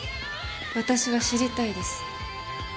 私は知りたいです